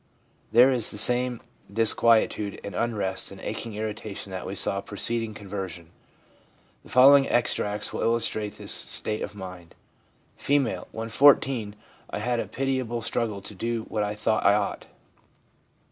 There is the same disquietude and unrest and aching irritation that we saw preceding conver sion. The following extracts w r ill illustrate this state of mind: F. 'When 14 I had a pitiable struggle to do what I thought I ought.